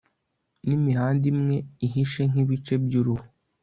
nimihanda imwe ihishe nkibice byuruhu